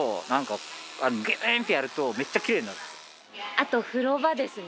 あと風呂場ですね。